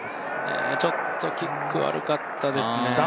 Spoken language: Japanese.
ちょっとキック悪かったですね。